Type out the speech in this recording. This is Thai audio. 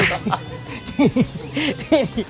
นี่นี่